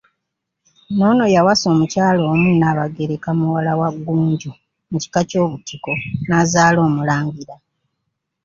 N'ono yawasa omukyala omu Nnaabagereka muwala wa Ggunju mu kika ky'Obutiko, n'azaala omulangira.